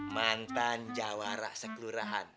mantan jawara sekelurahan